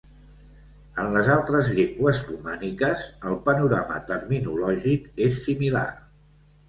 En les altres llengües romàniques, el panorama terminològic és similar.